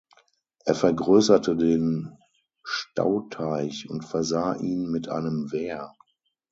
Er vergrößerte den Stauteich und versah ihn mit einem Wehr.